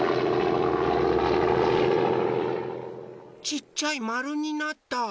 ちっちゃいまるになった。